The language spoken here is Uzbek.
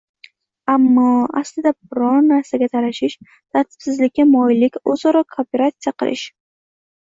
Ammo... aslida biron narsaga talashish, tartibsizlikka moyillik – o‘zaro kooperatsiya qilish